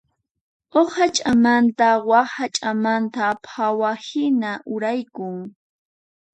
Huk sach'amanta wak sach'aman phawaqhina uraykun.